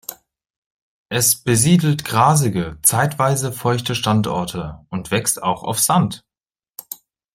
Es besiedelt grasige, zeitweise feuchte Standorte und wächst auch auf Sand.